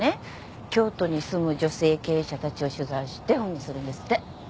京都に住む女性経営者たちを取材して本にするんですって。